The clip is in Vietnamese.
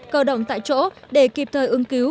cơ động tại chỗ để kịp thời ứng cứu